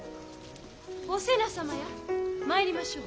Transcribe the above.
お瀬名様や参りましょう。